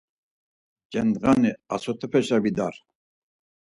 Cendğani asotxapeşa vidar.